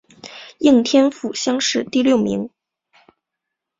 应天府乡试第六名。